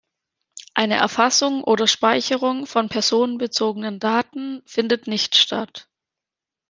Eine Erfassung oder Speicherung von personenbezogenen Daten findet nicht statt.